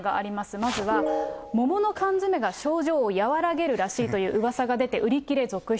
まずは、桃の缶詰が症状を和らげるらしいといううわさが出て、売り切れ続出。